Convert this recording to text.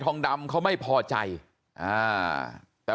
บอกแล้วบอกแล้วบอกแล้ว